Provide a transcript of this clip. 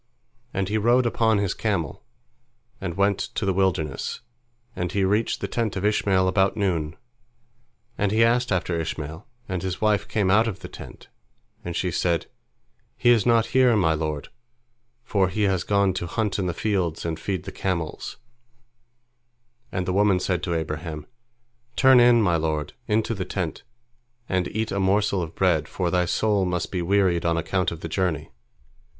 And he rode upon his camel, and went to the wilderness, and he reached the tent of Ishmael about noon. And he asked after Ishmael, and his wife came out of the tent, and she said, "He is not here, my lord, for he has gone to hunt in the fields and feed the camels," and the woman said to Abraham, "Turn in, my lord, into the tent, and eat a morsel of bread, for thy soul must be wearied on account of the journey."